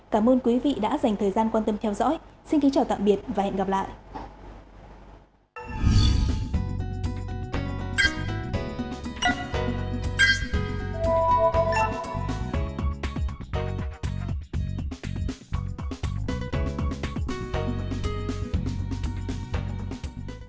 các quý vị đã dành thời gian quan tâm theo dõi xin kính chào tạm biệt và hẹn gặp lại